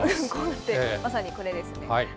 まさにこれですね。